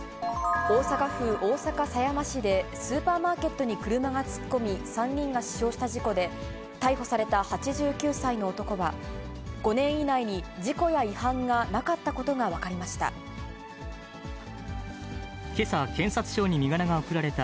大阪府大阪狭山市でスーパーマーケットに車が突っ込み、３人が死傷した事故で、逮捕された８９歳の男は、５年以内に事故や違反がなかったことが分かりました。